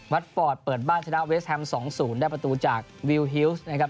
ฟอร์ตเปิดบ้านชนะเวสแฮม๒๐ได้ประตูจากวิวฮิวส์นะครับ